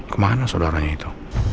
kemana saudaranya itu